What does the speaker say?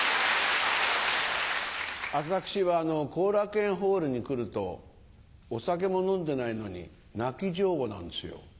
私は後楽園ホールに来るとお酒も飲んでないのに泣き上戸なんですよ。